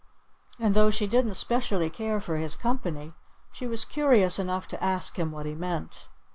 And though she didn't specially care for his company, she was curious enough to ask him what he meant.